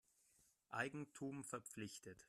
Eigentum verpflichtet.